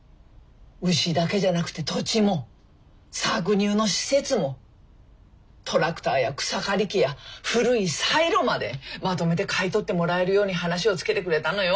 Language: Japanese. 牛だけじゃなくて土地も搾乳の施設もトラクターや草刈り機や古いサイロまでまとめて買い取ってもらえるように話をつけてくれたのよ